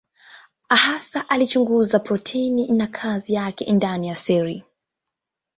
Hasa alichunguza protini na kazi yake ndani ya seli.